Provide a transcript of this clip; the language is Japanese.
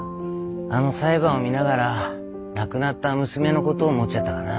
あの裁判を見ながら亡くなった娘のことを思っちゃったかな。